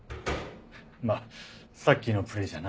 まあさっきのプレーじゃな。